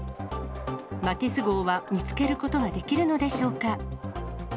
マティス号は見つけることができるのでしょうか。